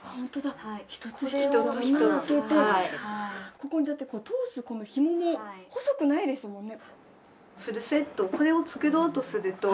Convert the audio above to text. ここにだって通すこのヒモも細くないですもんね。